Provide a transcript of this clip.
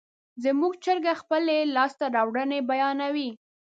زموږ چرګه خپلې لاسته راوړنې بیانوي.